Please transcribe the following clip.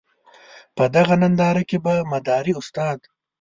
په دغه ننداره کې به مداري استاد.